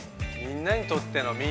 みんなにとっての。